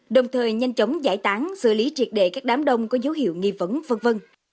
đồng thời nhanh chóng giải tán xử lý triệt đệ các đám đông có dấu hiệu nghi vấn v v